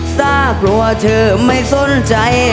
น่ากลัวเธอไม่สนใจ